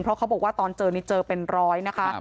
เพราะเขาบอกว่าตอนเจอนี่เจอเป็นร้อยนะคะ